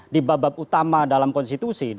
di babak utama dalam konstitusi